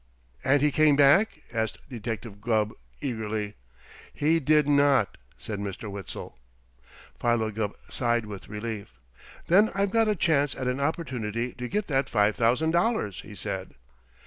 "And he came back?" asked Detective Gubb eagerly. "He did not," said Mr. Witzel. Philo Gubb sighed with relief. "Then I've got a chance at an opportunity to get that five thousand dollars," he said.